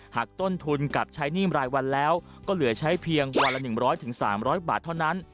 หากต้นทุนกับใช้หนี้รายวันแล้วก็เหลือใช้เพียงวันละ๑๐๐๓๐๐บาทเท่านั้น